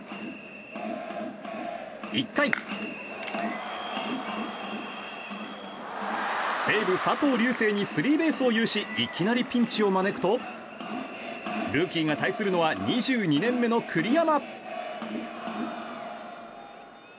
１回西武、佐藤龍世にスリーベースを許しいきなりピンチを招くとルーキーが対するのは２２年目の栗山。